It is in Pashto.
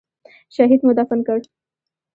شهيد مو دفن کړ.